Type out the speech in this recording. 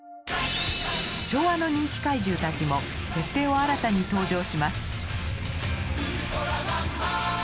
昭和の人気怪獣たちも設定を新たに登場します。